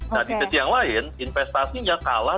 nah di sisi yang lain investasinya kalah